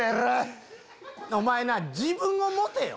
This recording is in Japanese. お前な自分を持てよ。